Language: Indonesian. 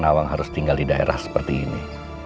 memang harus tinggal di daerah seperti ini